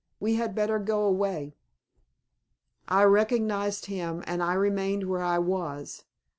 "We had better go away." I recognized him, and I remained where I was.